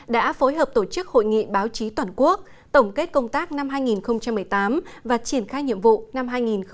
đã phối hợp tổ chức hội nghị báo chí toàn quốc tổng kết công tác năm hai nghìn một mươi tám và triển khai nhiệm vụ năm hai nghìn một mươi chín